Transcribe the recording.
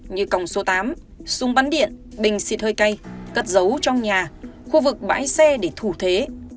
như còng số tám súng bắn điện bình xịt hơi cay cất giấu trong nhà khu vực bãi xe để thủ thế